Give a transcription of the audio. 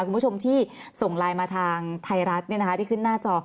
คุณผู้ชมที่ส่งไลน์มาทางไทยรัฐที่ขึ้นหน้าจอ